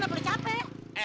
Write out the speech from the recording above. kena boleh capek